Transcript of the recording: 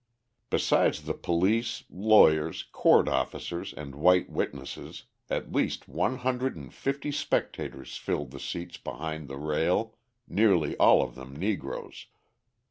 Besides the police, lawyers, court officers, and white witnesses, at least one hundred and fifty spectators filled the seats behind the rail, nearly all of them Negroes.